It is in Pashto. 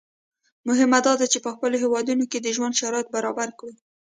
مهمه دا ده چې په خپلو هېوادونو کې د ژوند شرایط برابر کړو.